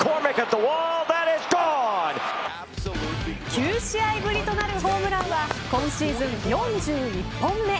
９試合ぶりとなるホームランは今シーズン４１本目。